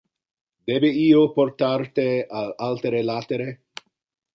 Debe io portar te al altere latere?